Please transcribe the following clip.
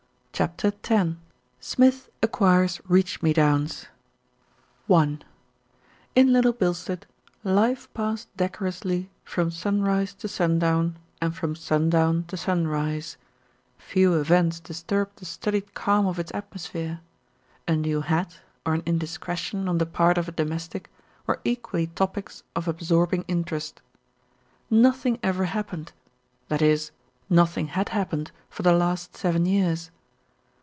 CHAPTER X SMITH ACQUIRES REACH ME DOWNS IN Little Bilstead, life passed decorously from sun rise to sundown and from sundown to sunrise. Few events disturbed the studied calm of its atmos phere. A new hat or an indiscretion on the part of a domestic were equally topics of absorbing interest. Nothing ever happened, that is nothing had happened for the last seven years.